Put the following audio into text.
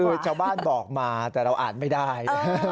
คือชาวบ้านบอกมาแต่เราอ่านไม่ได้